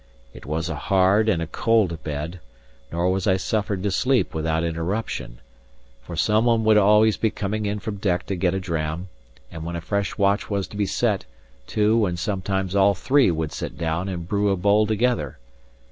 It was a hard and a cold bed; nor was I suffered to sleep without interruption; for some one would be always coming in from deck to get a dram, and when a fresh watch was to be set, two and sometimes all three would sit down and brew a bowl together.